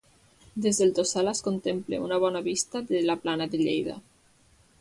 Des del Tossal es contemplen una bona vista de la plana de Lleida.